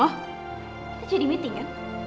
kita jadi meeting kan